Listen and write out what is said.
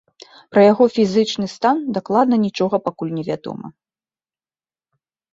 Пра яго фізічны стан дакладна нічога пакуль невядома.